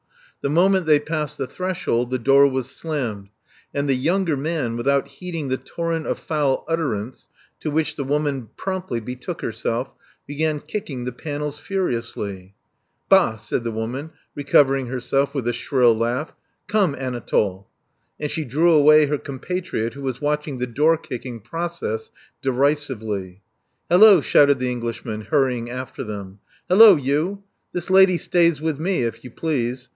The moment they passed the threshold, the door was slammed; and the younger man, without heeding the torrent of foul utterance to which the woman promptly betook herself, began kicking the panels furiously. Bah! said the woman, recovering herself with a shrill laugh. Come, Anatole." And she drew away her compatriot, who was watching the door kicking process derisively. Hallo!" shouted the Englishman, hurrying after them. Hallo, you! This lady stays with me, if you please.